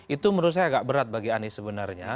itu menurut saya agak berat bagi anies sebenarnya